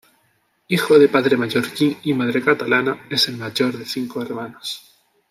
Hijo de padre mallorquín y madre catalana, es el mayor de cinco hermanos.